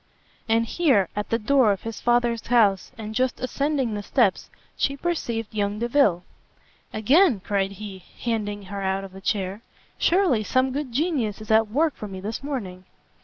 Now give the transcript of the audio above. And here, at the door of his Father's house, and just ascending the steps, she perceived young Delvile. "Again!" cried he, handing her out of the chair, "surely some good genius is at work for me this morning!"